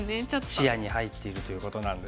視野に入っているということなんですね。